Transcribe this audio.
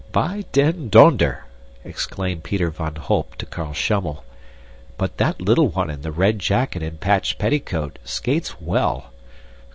"By den donder!" exclaimed Peter van Holp to Carl Schummel, "but that little one in the red jacket and patched petticoat skates well.